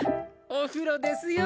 おふろですよ。